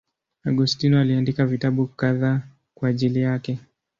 Augustino aliandika vitabu kadhaa kwa ajili yake.